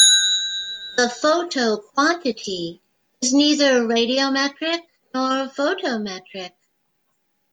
The photoquantity is neither radiometric nor photometric.